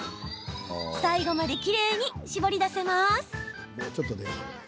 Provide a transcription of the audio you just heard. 最後まで、きれいに絞り出せます。